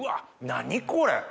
何これ。